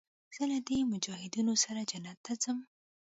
زه له دې مجاهدينو سره جنت ته ځم.